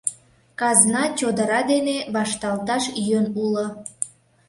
Казна чодыра дене вашталташ йӧн уло.